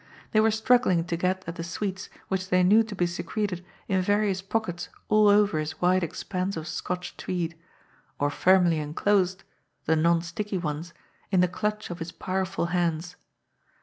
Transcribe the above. They were struggling to get at the sweets which they knew to be secreted in various pockets all over his wide expanse of Scotch tweed, or firmly enclosed — the non sticky ones — in the clutch of his powerful hands.